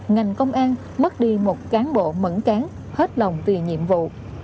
ngành công an mất đi một cán bộ mẫn cán hết lòng vì nhiệm vụ